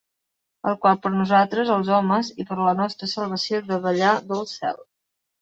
El qual per nosaltres, els homes, i per la nostra salvació davallà del cel.